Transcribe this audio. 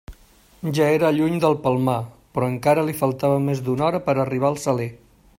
Ja era lluny del Palmar, però encara li faltava més d'una hora per a arribar al Saler.